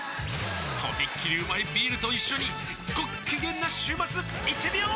とびっきりうまいビールと一緒にごっきげんな週末いってみよー！